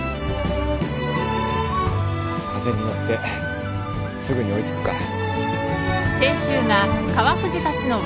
風に乗ってすぐに追い付くから。